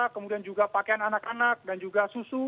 kemudian juga pakaian anak anak dan juga susu